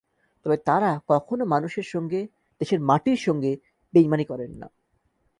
তবে তাঁরা কখনো মানুষের সঙ্গে, দেশের মাটির সঙ্গে বেইমানি করেন না।